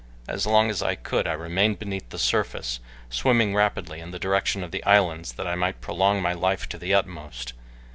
As long as I could I remained beneath the surface, swimming rapidly in the direction of the islands that I might prolong my life to the utmost.